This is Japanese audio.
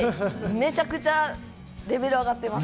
めちゃくちゃレベル上がってます。